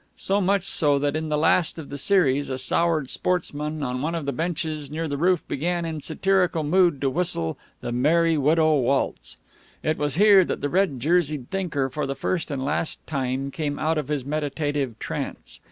So much so that in the last of the series a soured sportsman on one of the benches near the roof began in satirical mood to whistle the "Merry Widow Waltz." It was here that the red jerseyed thinker for the first and last time came out of his meditative trance.